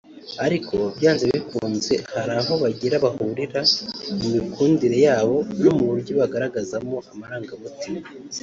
Ariko byanze bikunze hari aho bagira bahurira ku mikundire yabo no mu buryo bagaragazamo amarangamutima